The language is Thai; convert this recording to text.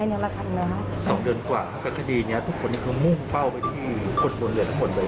๒เดือนกว่ากับคดีนี้ทุกคนมุ่งเป้าไปที่คนโดนเหลือทั้งหมดเลย